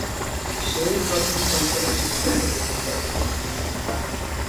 সে-ই প্রথম শঙ্করের শিষ্যত্ব গ্রহণ করেন।